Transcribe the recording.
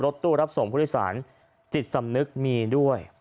ตู้รับส่งผู้โดยสารจิตสำนึกมีด้วย